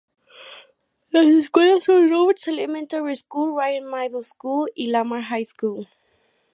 Las escuelas son Roberts Elementary School, Ryan Middle School, y Lamar High School.